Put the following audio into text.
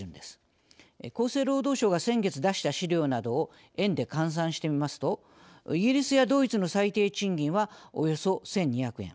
厚生労働省が先月出した資料などを円で換算してみますとイギリスやドイツの最低賃金はおよそ１，２００円